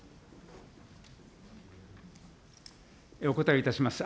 お答えをいたします。